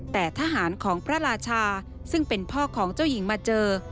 แต่ทหารของพระราชาซึ่งเป็นพ่อของเจ้าหญิงมาเจอ